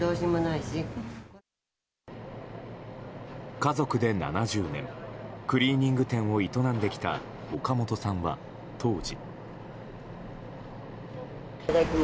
家族で７０年クリーニング店を営んできた岡本さんは当時。